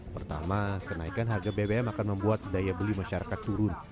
pertama kenaikan harga bbm akan membuat daya beli masyarakat turun